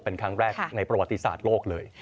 เป็นครั้งแรกในประวัติศาสตร์โลกเลย